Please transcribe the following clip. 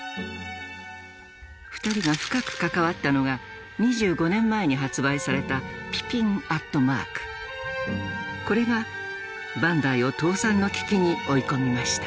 ２人が深く関わったのがこれがバンダイを倒産の危機に追い込みました。